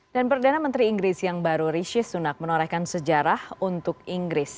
dan perdana menteri inggris yang baru rishi sunak menorehkan sejarah untuk inggris